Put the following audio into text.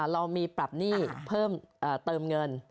เรามีปรับหนี้เพิ่มเติมเงิน